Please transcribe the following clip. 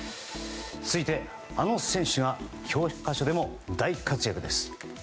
続いて、あの選手が教科書でも大活躍です。